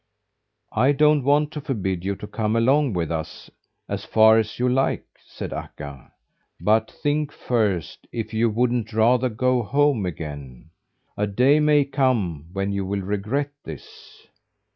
"I don't want to forbid you to come along with us as far as you like," said Akka, "but think first if you wouldn't rather go home again. A day may come when you will regret this."